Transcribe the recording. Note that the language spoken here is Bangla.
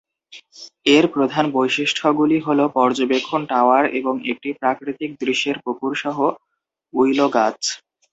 এর প্রধান বৈশিষ্ট্যগুলি হ'ল পর্যবেক্ষণ টাওয়ার এবং একটি প্রাকৃতিক দৃশ্যের পুকুর সহ উইলো গাছ।